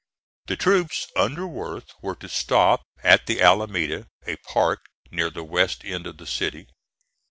The troops under Worth were to stop at the Alameda, a park near the west end of the city.